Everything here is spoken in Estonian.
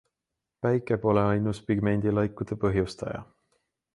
Päike pole ainus pigmendilaikude põhjustaja.